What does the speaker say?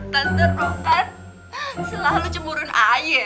tante rohan selalu cemurun ayah